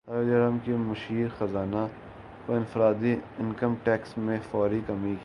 سابق وزیراعظم کی مشیر خزانہ کو انفرادی انکم ٹیکس میں فوری کمی کی ہدایت